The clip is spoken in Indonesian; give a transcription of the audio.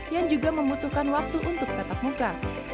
yang juga membutuhkan waktu untuk tetap muka